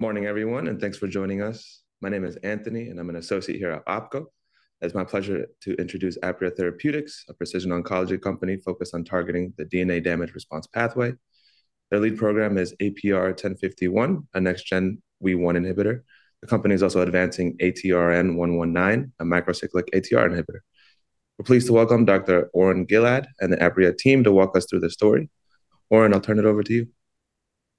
Morning, everyone, thanks for joining us. My name is Anthony, and I'm an associate here at Oppenheimer. It's my pleasure to introduce Aprea Therapeutics, a precision oncology company focused on targeting the DNA damage response pathway. Their lead program is APRN-1051, a next-gen WEE1 inhibitor. The company is also advancing ATRN-119, a macrocyclic ATR inhibitor. We're pleased to welcome Dr. Oren Gilad and the Aprea team to walk us through the story. Oren, I'll turn it over to you.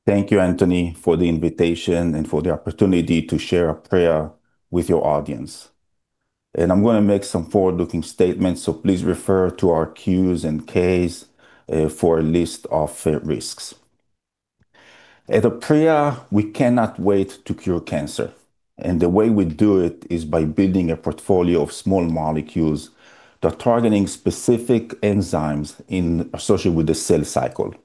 Thank you, Anthony, for the invitation and for the opportunity to share Aprea with your audience. I'm gonna make some forward-looking statements, so please refer to our10- Qs and 10-Ks for a list of risks. At Aprea, we cannot wait to cure cancer. The way we do it is by building a portfolio of small molecules that are targeting specific enzymes associated with the cell cycle.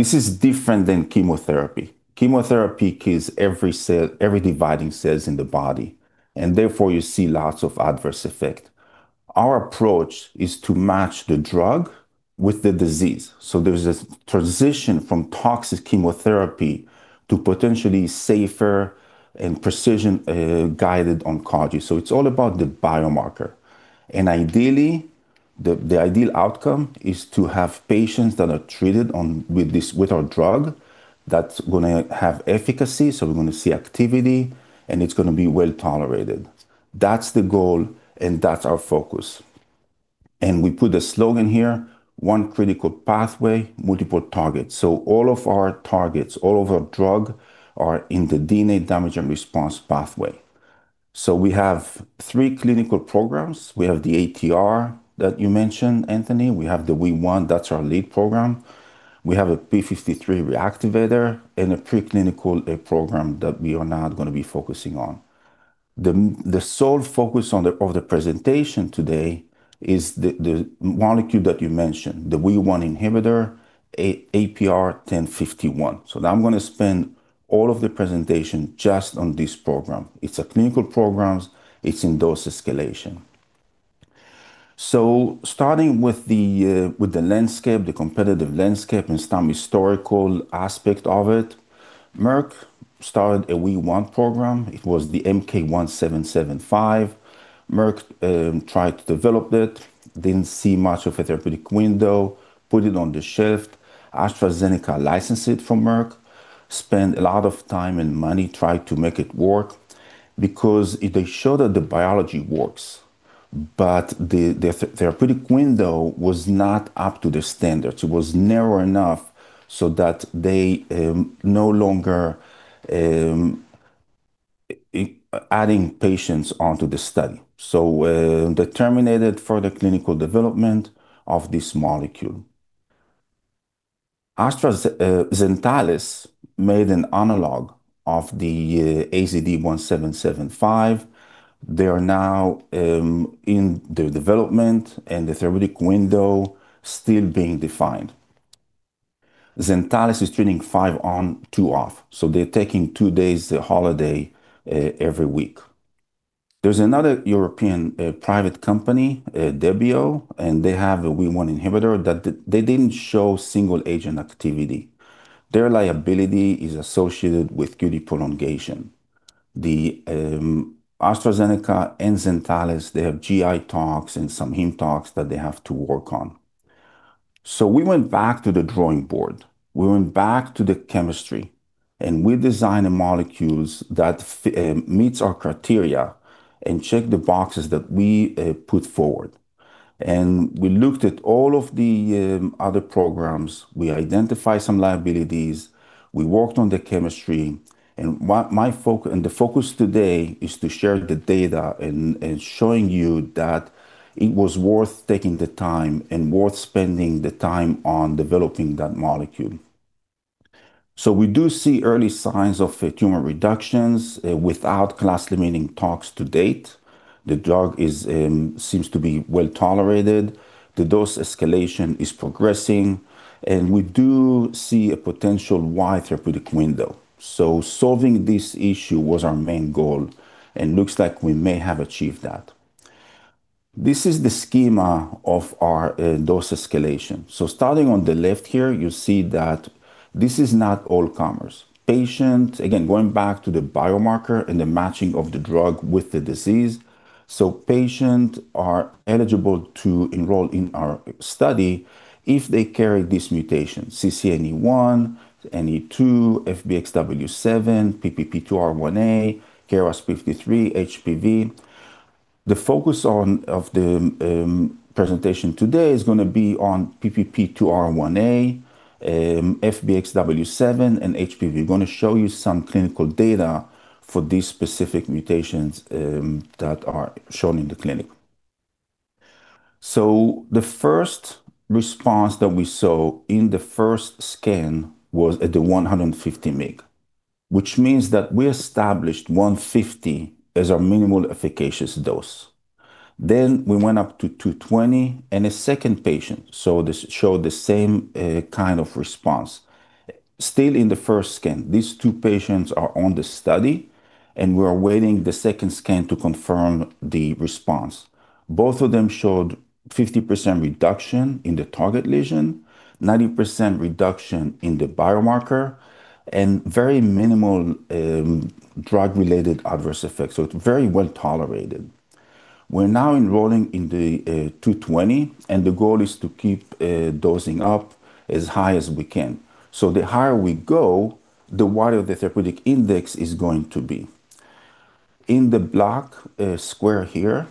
This is different than chemotherapy. Chemotherapy kills every cell, every dividing cells in the body, and therefore, you see lots of adverse effect. Our approach is to match the drug with the disease, so there's this transition from toxic chemotherapy to potentially safer and precision guided oncology. It's all about the biomarker. Ideally, the ideal outcome is to have patients that are treated on, with our drug, that's gonna have efficacy, so we're gonna see activity, and it's gonna be well tolerated. That's the goal, and that's our focus. We put a slogan here, "One critical pathway, multiple targets." All of our targets, all of our drug, are in the DNA damage and response pathway. We have three clinical programs. We have the ATR that you mentioned, Anthony. We have the WEE1, that's our lead program. We have a p53 reactivator and a preclinical program that we are not gonna be focusing on. The sole focus of the presentation today is the molecule that you mentioned, the WEE1 inhibitor, APR-1051. Now I'm gonna spend all of the presentation just on this program. It's a clinical programs. It's in dose escalation. Starting with the, with the landscape, the competitive landscape and some historical aspect of it, Merck started a WEE1 program. It was the MK-1775. Merck tried to develop it, didn't see much of a therapeutic window, put it on the shelf. AstraZeneca licensed it from Merck, spent a lot of time and money trying to make it work because they showed that the biology works, but the therapeutic window was not up to the standards. It was narrow enough so that they no longer adding patients onto the study. They terminated further clinical development of this molecule. Zentalis made an analog of the AZD-1775. They are now in the development, and the therapeutic window still being defined. Zentalis is treating 5-on, 2-off, so they're taking two days holiday every week. There's another European, private company, Debiopharm, and they have a WEE1 inhibitor that they didn't show single-agent activity. Their liability is associated with QT prolongation. The AstraZeneca and Zentalis, they have GI tox and some hem tox that they have to work on. We went back to the drawing board. We went back to the chemistry, and we designed the molecules that meets our criteria and check the boxes that we put forward. We looked at all of the other programs. We identified some liabilities. We worked on the chemistry. My focus, and the focus today is to share the data and showing you that it was worth taking the time and worth spending the time on developing that molecule. We do see early signs of tumor reductions, without class-limiting tox to date. The drug is seems to be well tolerated. The dose escalation is progressing, and we do see a potential wide therapeutic window. Solving this issue was our main goal, and looks like we may have achieved that. This is the schema of our dose escalation. Starting on the left here, you see that this is not all comers. Patient, again, going back to the biomarker and the matching of the drug with the disease. Patient are eligible to enroll in our study if they carry this mutation, CCNE1, CCNE2, FBXW7, PPP2R1A, KRAS p53, HPV. The focus on, of the presentation today is gonna be on PPP2R1A, FBXW7, and HPV. We're gonna show you some clinical data for these specific mutations that are shown in the clinic. The first response that we saw in the first scan was at the 150 mg, which means that we established 150 as our minimal efficacious dose. We went up to 220 mg, and a second patient, so this showed the same kind of response. Still in the first scan, these two patients are on the study. We're awaiting the second scan to confirm the response. Both of them showed 50% reduction in the target lesion, 90% reduction in the biomarker, and very minimal drug-related adverse effects. It's very well tolerated. We're now enrolling in the 220 mg. The goal is to keep dosing up as high as we can. The higher we go, the wider the therapeutic index is going to be. In the black square here,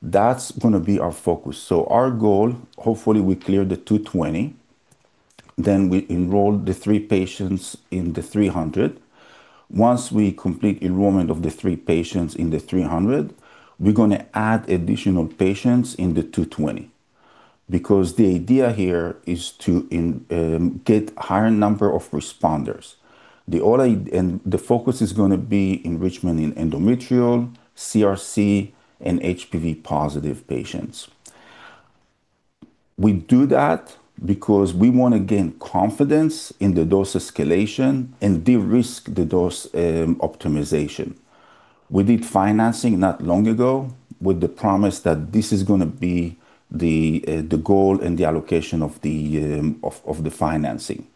that's gonna be our focus. Our goal, hopefully we clear the 220 mg, then we enroll the three patients in the 300 mg. Once we complete enrollment of the three patients in the 300 mg, we're gonna add additional patients in the 220 mg, because the idea here is to get higher number of responders. The focus is gonna be enrichment in endometrial, CRC, and HPV-positive patients. We do that because we want to gain confidence in the dose escalation and de-risk the dose optimization. We did financing not long ago with the promise that this is gonna be the goal and the allocation of the financing: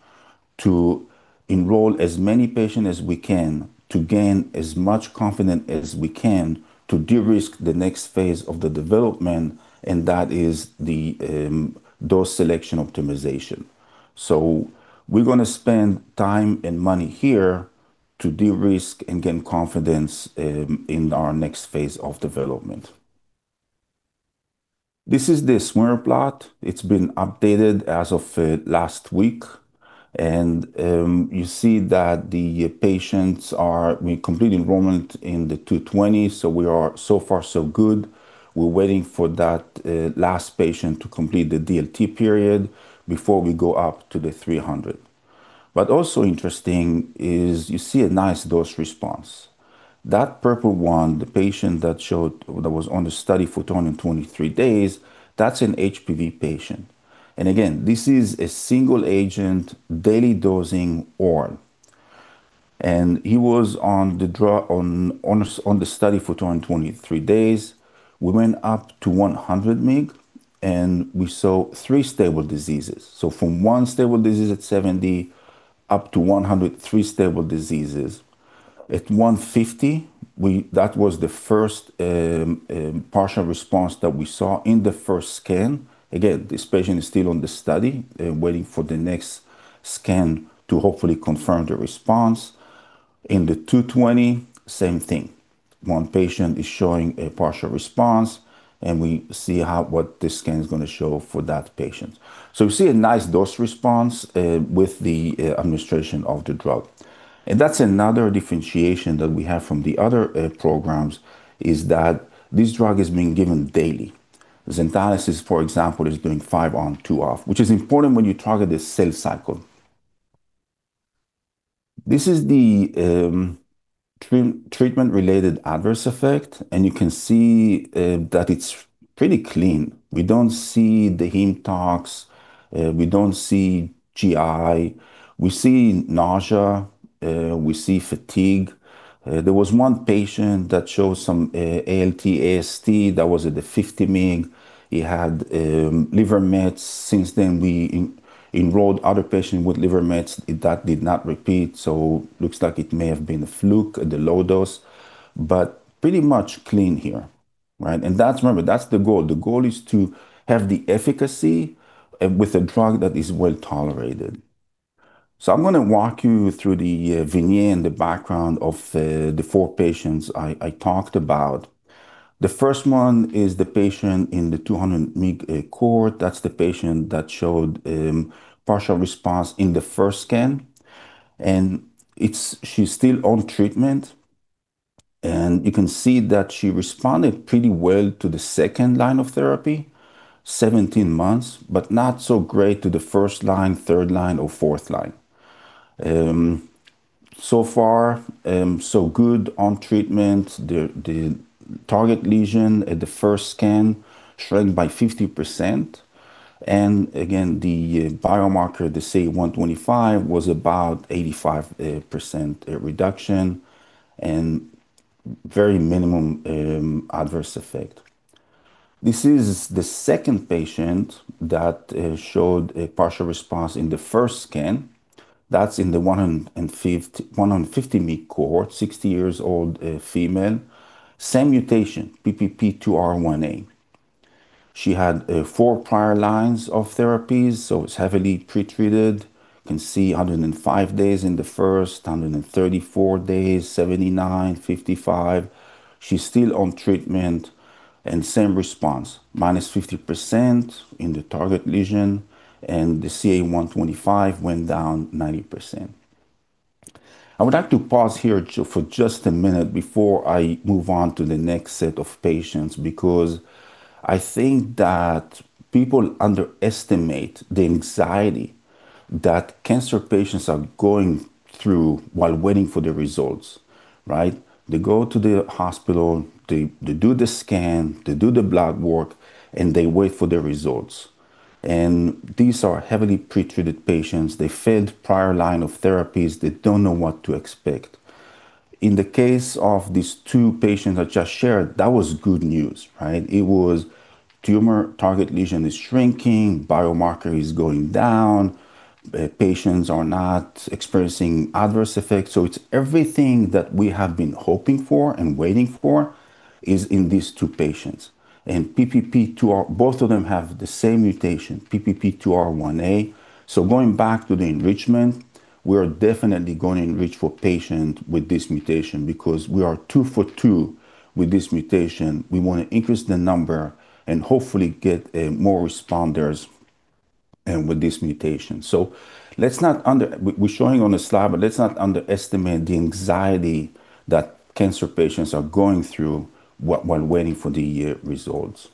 to enroll as many patients as we can, to gain as much confidence as we can, to de-risk the next phase of the development, and that is the dose selection optimization. We're gonna spend time and money here to de-risk and gain confidence in our next phase of development. This is the swimmer plot. It's been updated as of last week, and you see that we completed enrollment in the 220 mg, so we are so far, so good. We're waiting for that last patient to complete the DLT period before we go up to the 300 mg. Also interesting is you see a nice dose response. That purple one, the patient that was on the study for 223 days, that's an HPV patient. Again, this is a single agent, daily dosing oral. He was on the drug, on the study for 223 days. We went up to 100 mg, and we saw three stable diseases. From one stable disease at 70 mg up to 100 mg, three stable diseases. At 150 mg, that was the first partial response that we saw in the first scan. Again, this patient is still on the study, waiting for the next scan to hopefully confirm the response. In the 220 mh, same thing. One patient is showing a partial response, and we see how, what the scan is gonna show for that patient. We see a nice dose response with the administration of the drug. That's another differentiation that we have from the other programs, is that this drug is being given daily. Zentalis, for example, is doing 5-on, 2-off, which is important when you target the cell cycle. This is the treatment-related adverse effect, and you can see that it's pretty clean. We don't see the hem tox, we don't see GI. We see nausea, we see fatigue. There was one patient that showed some ALT/AST that was at the 50 mg. He had liver mets. Since then, we enrolled other patients with liver mets, that did not repeat, so looks like it may have been a fluke at the low dose, but pretty much clean here, right? That's, remember, that's the goal. The goal is to have the efficacy with a drug that is well tolerated. I'm gonna walk you through the vignette and the background of the four patients I talked about. The first one is the patient in the 200 mg cohort. That's the patient that showed partial response in the first scan, and she's still on treatment. You can see that she responded pretty well to the second line of therapy, 17 months, but not so great to the first line, third line, or fourth line. So far, so good on treatment. The target lesion at the first scan shrank by 50%, and again, the biomarker, the CA-125, was about 85% reduction and very minimum adverse effect. This is the second patient that showed a partial response in the first scan. That's in the 150 mg cohort, 60 years old female. Same mutation, PPP2R1A. She had four prior lines of therapies, so it's heavily pre-treated. You can see 105 days in the first, 134 days, 79, 55. She's still on treatment, and same response, -50% in the target lesion, and the CA-125 went down 90%. I would like to pause here for just a minute before I move on to the next set of patients because I think that people underestimate the anxiety that cancer patients are going through while waiting for the results, right? They go to the hospital, they do the scan, they do the blood work, and they wait for the results. These are heavily pre-treated patients. They failed prior line of therapies, they don't know what to expect. In the case of these two patients I just shared, that was good news, right? It was tumor target lesion is shrinking, biomarker is going down, patients are not experiencing adverse effects. It's everything that we have been hoping for and waiting for is in these two patients. PPP2R1A, both of them have the same mutation, PPP2R1A. Going back to the enrichment, we are definitely going to enrich for patient with this mutation because we are two for two with this mutation. We want to increase the number and hopefully get more responders with this mutation. Let's not underestimate the anxiety that cancer patients are going through while waiting for the results.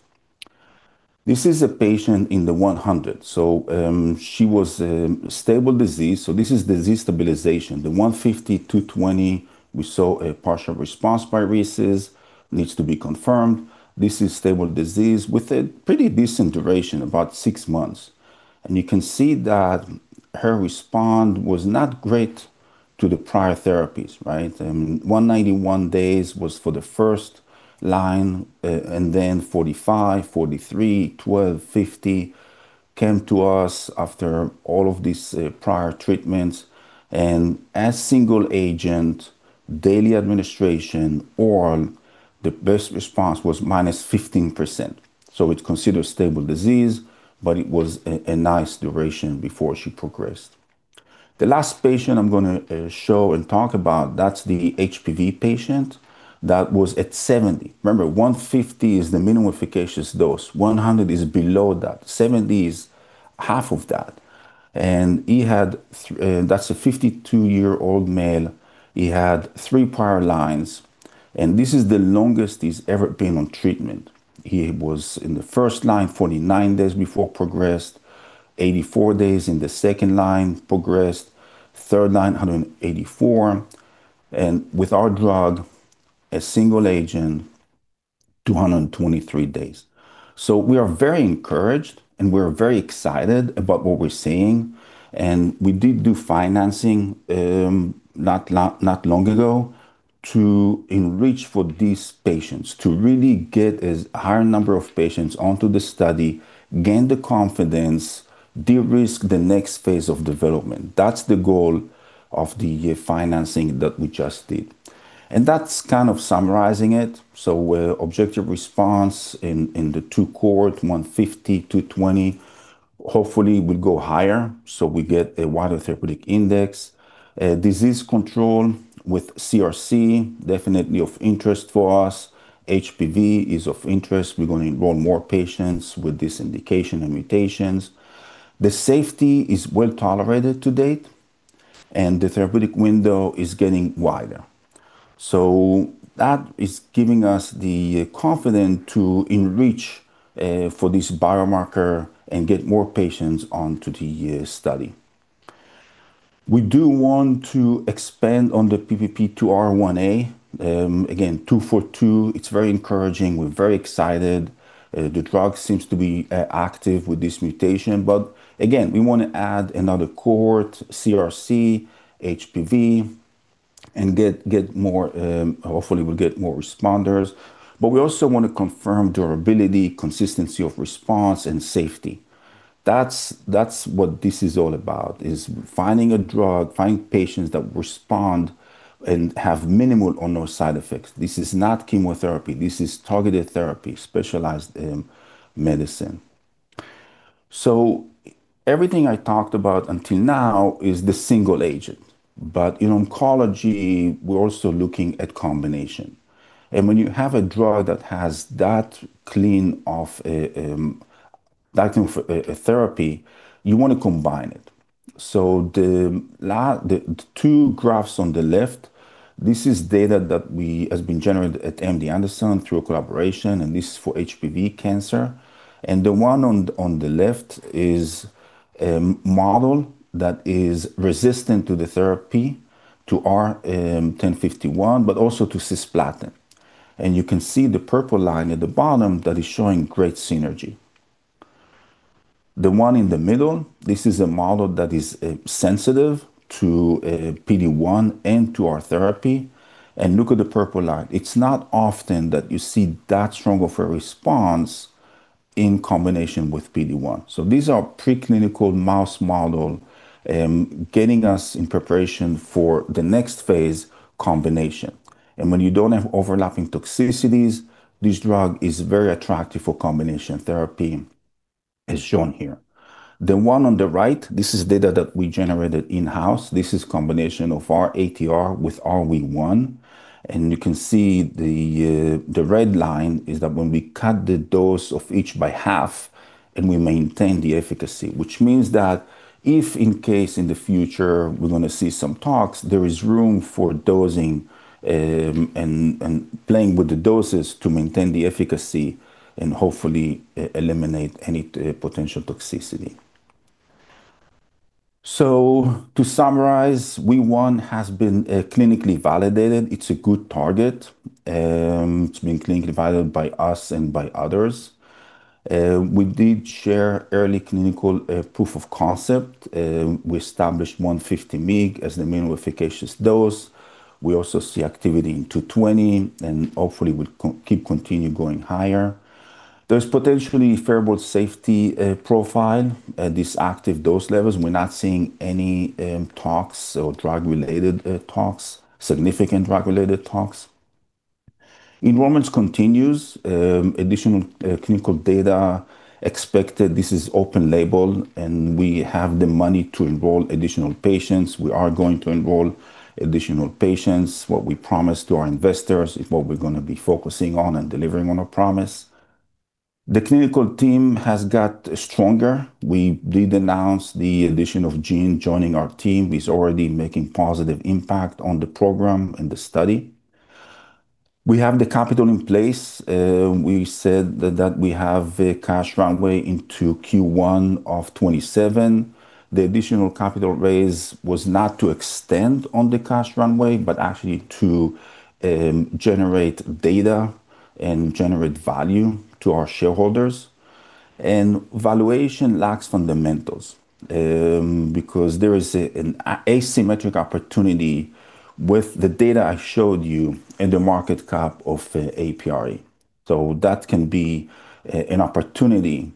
This is a patient in the 100, so she was a stable disease, so this is disease stabilization. The 150 mg, 220 mg, we saw a partial response by RECIST, needs to be confirmed. This is stable disease with a pretty decent duration, about six months. You can see that her response was not great to the prior therapies, right? 191 days was for the first line, and then 45, 43, 12, 50, came to us after all of these prior treatments. As single agent, daily administration, oral, the best response was -15%, so it's considered stable disease, but it was a nice duration before she progressed. The last patient I'm gonna show and talk about, that's the HPV patient that was at 70 mg. Remember, 150 mg is the minimum efficacious dose. 100 mg is below that. 70 mg is half of that. That's a 52-year-old male. He had three prior lines, and this is the longest he's ever been on treatment. He was in the first line, 49 days before progressed, 84 days in the second line, progressed, third line, 184, and with our drug, a single agent, 223 days. We are very encouraged, and we're very excited about what we're seeing, and we did do financing, not long ago, to enrich for these patients, to really get a higher number of patients onto the study, gain the confidence, de-risk the next phase of development. That's the goal of the financing that we just did. That's kind of summarizing it. Objective response in the two cohort, 150 mg-220 mg. Hopefully, we'll go higher, so we get a wider therapeutic index. Disease control with CRC, definitely of interest for us. HPV is of interest. We're going to enroll more patients with this indication and mutations. The safety is well tolerated to date, and the therapeutic window is getting wider. That is giving us the confidence to enrich for this biomarker and get more patients onto the study. We do want to expand on the PPP2R1A. Again, two for two, it's very encouraging. We're very excited. The drug seems to be active with this mutation, but again, we want to add another cohort, CRC, HPV, and get more, hopefully, we'll get more responders. We also want to confirm durability, consistency of response, and safety. That's what this is all about, is finding a drug, finding patients that respond and have minimal or no side effects. This is not chemotherapy. This is targeted therapy, specialized medicine. Everything I talked about until now is the single agent, but in oncology, we're also looking at combination. When you have a drug that has that clean of a, that kind of a therapy, you want to combine it. The two graphs on the left, this is data that has been generated at MD Anderson through a collaboration, and this is for HPV cancer. The one on the left is a model that is resistant to the therapy, to APR-1051, but also to cisplatin. You can see the purple line at the bottom that is showing great synergy. The one in the middle, this is a model that is sensitive to PD-1 and to our therapy. Look at the purple line. It's not often that you see that strong of a response in combination with PD-1. These are preclinical mouse model, getting us in preparation for the next phase, combination. When you don't have overlapping toxicities, this drug is very attractive for combination therapy, as shown here. The one on the right, this is data that we generated in-house. This is combination of our ATR with WEE1, and you can see the red line is that when we cut the dose of each by half, and we maintain the efficacy, which means that if in case in the future, we're gonna see some tox, there is room for dosing, and playing with the doses to maintain the efficacy and hopefully eliminate any potential toxicity. To summarize, WEE1 has been clinically validated. It's a good target, it's been clinically validated by us and by others. We did share early clinical proof of concept. We established 150 mg as the minimum efficacious dose. We also see activity in 220 mg, and hopefully we'll keep continuing going higher. There's potentially favorable safety profile at this active dose levels. We're not seeing any tox or drug-related tox, significant drug-related tox. Enrollments continues, additional clinical data expected. This is open label, we have the money to enroll additional patients. We are going to enroll additional patients. What we promise to our investors is what we're gonna be focusing on and delivering on our promise. The clinical team has got stronger. We did announce the addition of Jean-Pierre Bizzari, joining our team. He's already making positive impact on the program and the study. We have the capital in place. We said that we have a cash runway into Q1 of 2027. The additional capital raise was not to extend on the cash runway, but actually to generate data and generate value to our shareholders. Valuation lacks fundamentals, because there is a, an asymmetric opportunity with the data I showed you and the market cap of APRE. That can be a, an opportunity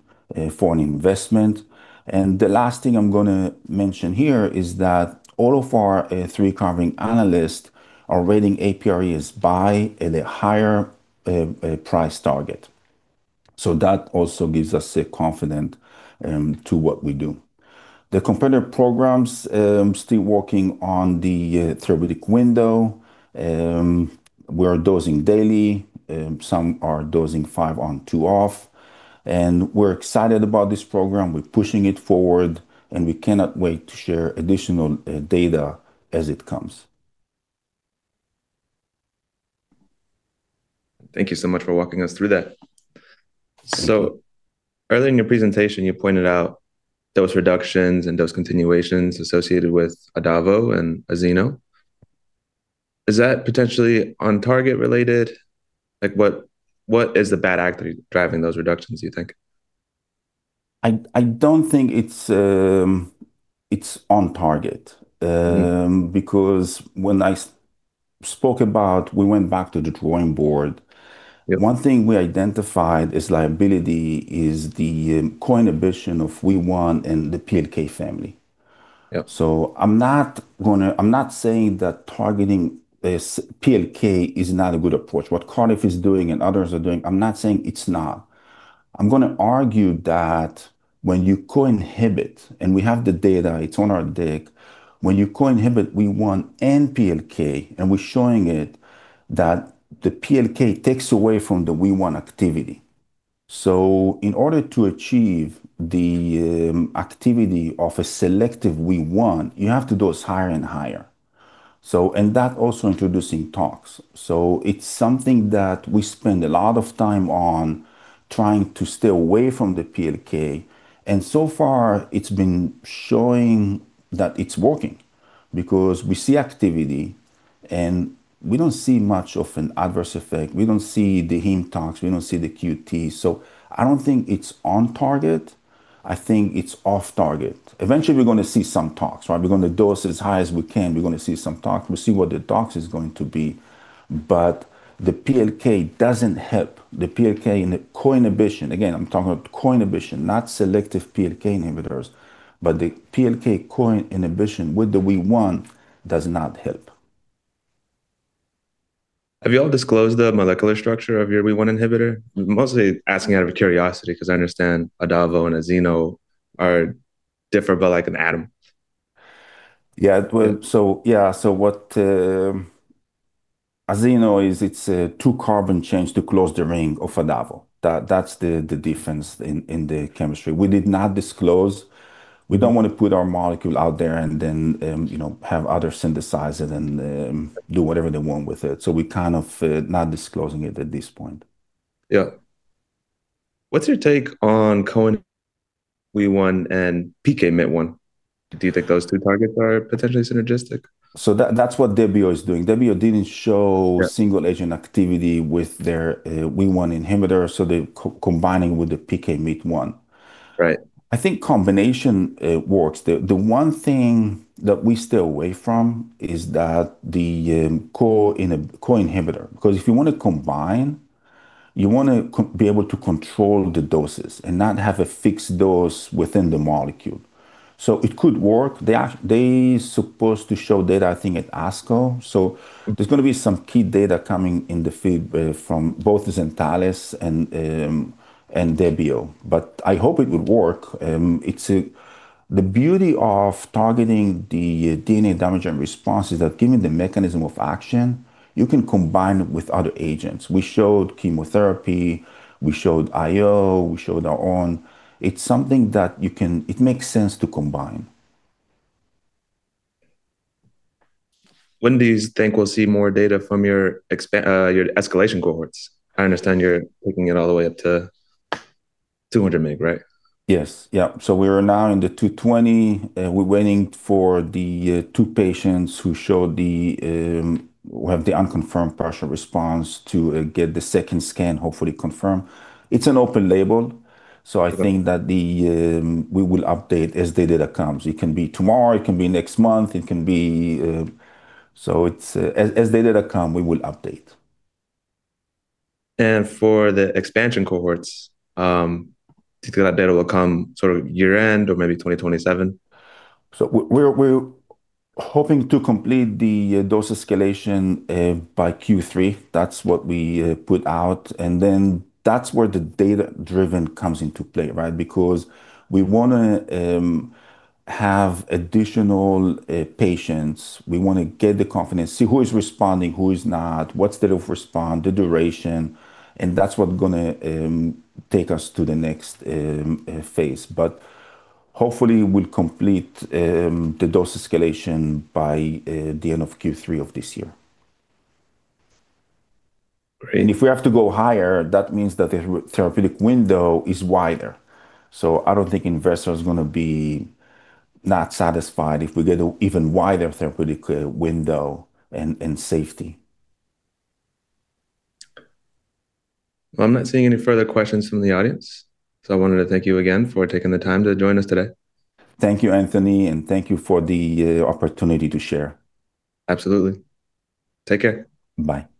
for an investment. The last thing I'm gonna mention here is that all of our three covering analysts are rating APRE as buy at a higher price target. That also gives us a confident to what we do. The competitor programs, still working on the therapeutic window. We're dosing daily, some are dosing five on, two off, and we're excited about this program. We're pushing it forward, and we cannot wait to share additional data as it comes. Thank you so much for walking us through that. Earlier in your presentation, you pointed out dose reductions and dose continuations associated with azenosertib and azacitidine. Is that potentially on target related? Like, what is the bad actor driving those reductions, do you think? I don't think it's on target. Yeah. When I spoke about we went back to the drawing board. Yeah. One thing we identified as liability is the co-inhibition of WEE1 in the PLK family. Yep. I'm not saying that targeting this PLK is not a good approach. What Cardiff is doing and others are doing, I'm not saying it's not. I'm gonna argue that when you co-inhibit, and we have the data, it's on our deck. When you co-inhibit WEE1 and PLK, and we're showing it, that the PLK takes away from the WEE1 activity. In order to achieve the activity of a selective WEE1, you have to dose higher and higher. And that also introducing tox. It's something that we spend a lot of time on, trying to stay away from the PLK, and so far it's been showing that it's working, because we see activity and we don't see much of an adverse effect. We don't see the hem tox, we don't see the QT, so I don't think it's on target, I think it's off target. Eventually, we're gonna see some tox, right? We're gonna dose as high as we can. We're gonna see some tox. We'll see what the tox is going to be, but the PLK doesn't help. The PLK in the co-inhibition, again, I'm talking about co-inhibition, not selective PLK inhibitors, but the PLK co-inhibition with the WEE1 does not help. Have you all disclosed the molecular structure of your WEE1 inhibitor? Mostly asking out of curiosity, 'cause I understand azenosertib and azacitidine are different by, like, an atom. Yeah, well, so yeah. What azeno is, it's a two-carbon change to close the ring of adavo. That's the difference in the chemistry. We did not disclose. We don't want to put our molecule out there and then, you know, have others synthesize it and do whatever they want with it. We kind of not disclosing it at this point. Yeah. What's your take on co-WEE1 and PKMYT1? Do you think those two targets are potentially synergistic? That, that's what Debiopharm is doing. Debiopharm didn't show- Yeah... single-agent activity with their WEE1 inhibitor, so they're combining with the PKMYT1. Right. I think combination works. The one thing that we stay away from is that the co-inhibitor. If you want to combine, you want to be able to control the doses and not have a fixed dose within the molecule. It could work. They supposed to show data, I think, at ASCO, there's gonna be some key data coming in the field from both Zentalis and Debiopharm, but I hope it would work. The beauty of targeting the DNA damage and response is that, given the mechanism of action, you can combine with other agents. We showed chemotherapy, we showed IO, we showed our own. It's something that it makes sense to combine. When do you think we'll see more data from your escalation cohorts? I understand you're taking it all the way up to 200 mg, right? Yes. Yeah. We are now in the 220 mg, we're waiting for the two patients who have the unconfirmed partial response to get the second scan, hopefully confirmed. It's an open label, so I think that the we will update as the data comes. It can be tomorrow, it can be next month, it can be... It's as data come, we will update. For the expansion cohorts, do you think that data will come sort of year-end or maybe 2027? We're hoping to complete the dose escalation by Q3. That's what we put out. That's where the data-driven comes into play, right? We wanna have additional patients. We want to get the confidence, see who is responding, who is not, what's the rate of respond, the duration. That's what gonna take us to the next phase. Hopefully, we'll complete the dose escalation by the end of Q3 of this year. Great. If we have to go higher, that means that the therapeutic window is wider. I don't think investors are gonna be not satisfied if we get an even wider therapeutic window and safety. Well, I'm not seeing any further questions from the audience, so I wanted to thank you again for taking the time to join us today. Thank you, Anthony, and thank you for the opportunity to share. Absolutely. Take care. Bye. Bye.